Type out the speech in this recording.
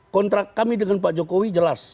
kontrak kami dengan pak jokowi jelas